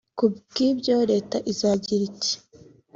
Ku bw’ibyo Leta iragira iti